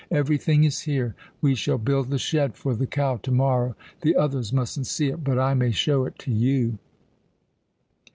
Everything is here. We shall build the shed for the cow to morrow. The others mustn't see it, but I may show it to you."